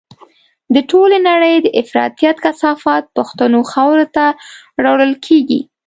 د ټولې نړۍ د افراطيت کثافات پښتنو خاورو ته راوړل کېږي.